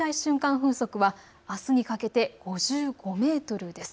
風速はあすにかけて５５メートルです。